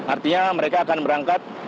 artinya mereka akan berangkat